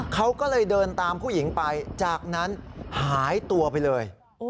เขาก็เลยเดินตามผู้หญิงไปจากนั้นหายตัวไปเลย